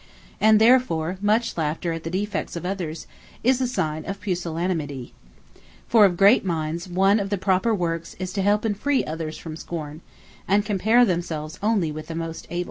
And therefore much Laughter at the defects of others is a signe of Pusillanimity. For of great minds, one of the proper workes is, to help and free others from scorn; and compare themselves onely with the most able.